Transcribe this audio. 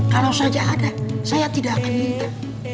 kalau saja ada saya tidak akan minta